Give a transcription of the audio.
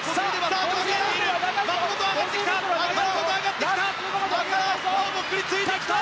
松元、上がってきた！